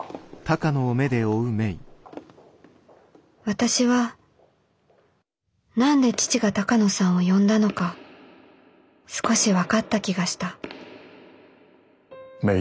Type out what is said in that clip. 私は何で父が鷹野さんを呼んだのか少し分かった気がした芽依。